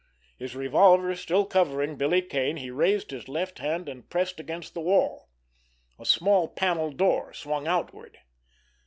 His revolver still covering Billy Kane, he raised his left hand and pressed against the wall. A small panel door swung outward.